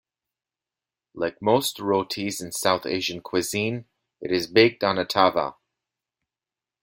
Like most rotis in South Asian cuisine, it is baked on a "tava".